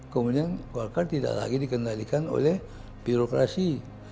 kemudian golkar tidak lagi dikendalikan oleh birokrasi